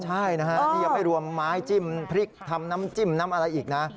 ใช่นะฮะนี่ยังไม่รวมไม้จิ้มพริกทำน้ำจิ้มน้ำอะไรอีกนะ